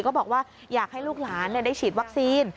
ก็บอกว่าอยากให้ลูกหลานได้ฉีดวัคซีน